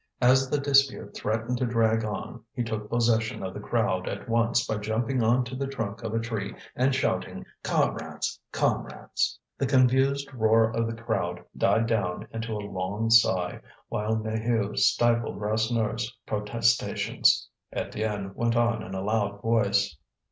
As the dispute threatened to drag on, he took possession of the crowd at once by jumping on to the trunk of a tree and shouting: "Comrades! comrades!" The confused roar of the crowd died down into a long sigh, while Maheu stifled Rasseneur's protestations. Étienne went on in a loud voice.